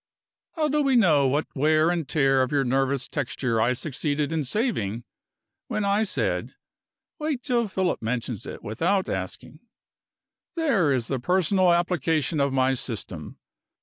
How do we know what wear and tear of your nervous texture I succeeded in saving when I said. 'Wait till Philip mentions it without asking?' There is the personal application of my system.